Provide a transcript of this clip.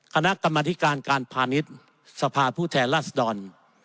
คณะกรรมธิการการพาณิชย์สภาผู้แทนราษดร